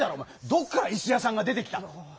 どっから「いしやさん」が出てきたの？